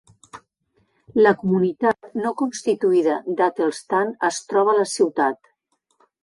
La comunitat no constituïda d'Athelstane es troba a la ciutat.